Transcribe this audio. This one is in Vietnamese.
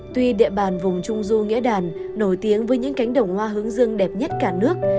tuy địa bàn vùng trung du nghĩa đàn nổi tiếng với những cánh đồng hoa hướng dương đẹp nhất cả nước